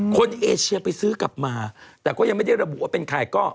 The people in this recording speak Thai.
เอเชียไปซื้อกลับมาแต่ก็ยังไม่ได้ระบุว่าเป็นใครก็